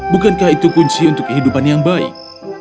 bukankah itu kunci untuk kehidupan yang baik